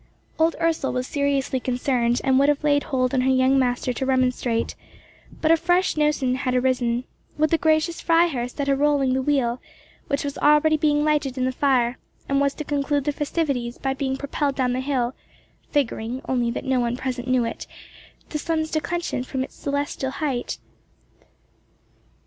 Old Ursel was seriously concerned, and would have laid hold on her young master to remonstrate, but a fresh notion had arisen—Would the gracious Freiherr set a rolling the wheel, which was already being lighted in the fire, and was to conclude the festivities by being propelled down the hill—figuring, only that no one present knew it, the sun's declension from his solstitial height?